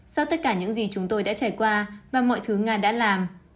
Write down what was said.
sau tất cả những gì chúng tôi đã trải qua và mọi thứ nga đã làm